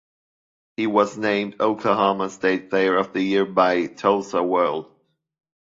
He was named Oklahoma State Player of the Year by "Tulsa World".